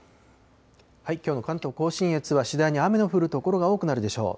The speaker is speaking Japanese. きょうの関東甲信越は次第に雨の降る所が多くなるでしょう。